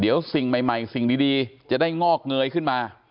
เดี๋ยวสิ่งใหม่สิ่งดีจะได้งอกเงยขึ้นมา